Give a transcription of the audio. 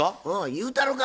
言うたろか？